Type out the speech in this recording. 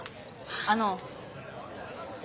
あの。